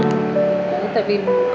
đấy tại vì